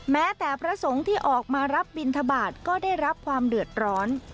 แม้แต่พระสงฆ์ที่ออกมารับบินทบาทก็ได้รับความเดือดร้อน